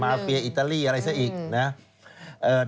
มาเฟียอิตาลีอะไรซะอีกนะฮะอันดับหนึ่ง